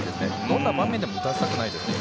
どんな場面でも打たせたくないですね